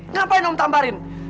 ngapain om tamparin